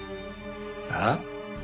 ああ？